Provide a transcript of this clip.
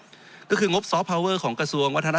จริงโครงการนี้มันเป็นภาพสะท้อนของรัฐบาลชุดนี้ได้เลยนะครับ